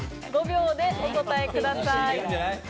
５秒でお答えください。